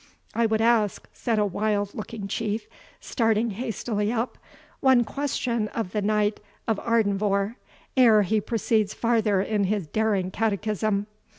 "I would ask," said a wild looking Chief, starting hastily up, "one question of the Knight of Ardenvohr, ere he proceeds farther in his daring catechism.